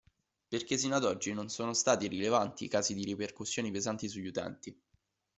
Perché sino ad oggi non sono stati rilevanti i casi di ripercussioni pesanti sugli utenti.